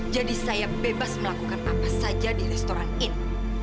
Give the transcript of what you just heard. jadi saya bebas melakukan apa saja di restoran ini